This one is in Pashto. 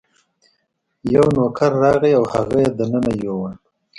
یو نوکر راغی او هغه یې دننه یووړ.